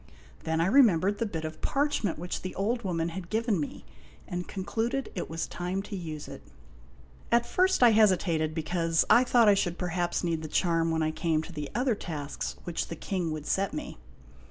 Then I remembered the bit of parchment which the old woman had given me, and concluded it was time to use it. At first I hesi tated, because I thought I should perhaps need the charm when I came to the other tasks which the King would set me.